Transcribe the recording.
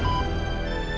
ya allah papa